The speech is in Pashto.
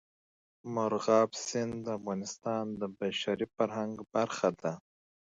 مورغاب سیند د افغانستان د بشري فرهنګ برخه ده.